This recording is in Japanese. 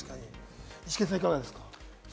イシケンさん、いかがですか？